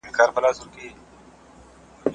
دوی ژمنه کړې چي یو له بل سره به وفادار پاتې کیږي.